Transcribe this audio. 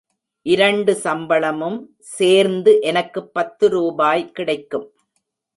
இரண்டு சம்பளமும் சேர்ந்து எனக்குப் பத்து ரூபாய் கிடைக்கும்.